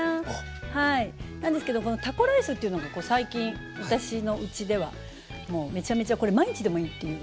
はいなんですけどこのタコライスっていうのが最近私のうちではもうめちゃめちゃこれ毎日でもいいっていうぐらい。